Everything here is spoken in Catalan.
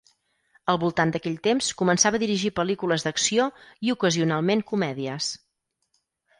Al voltant d'aquell temps, començava a dirigir pel·lícules d'acció i ocasionalment comèdies.